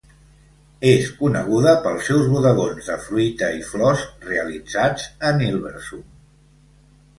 És coneguda pels seus bodegons de fruita i flors realitzats en Hilversum.